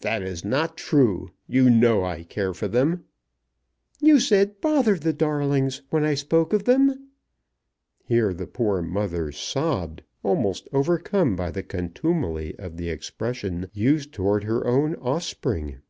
"That is not true. You know I care for them." "You said 'bother the darlings' when I spoke of them." Here the poor mother sobbed, almost overcome by the contumely of the expression used towards her own offspring.